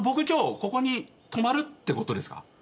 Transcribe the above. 今日ここに泊まるってことですか？